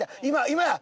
今や！